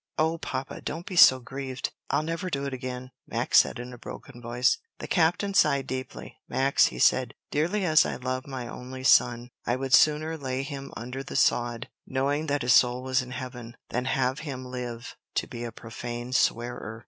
"O papa, don't be so grieved! I'll never do it again," Max said in a broken voice. The captain sighed deeply. "Max," he said, "dearly as I love my only son, I would sooner lay him under the sod, knowing that his soul was in heaven, than have him live to be a profane swearer.